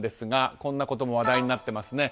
こんなことも話題になってます。